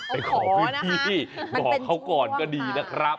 ไปขอพี่บอกเขาก่อนก็ดีนะครับ